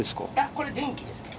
これ、電気ですね。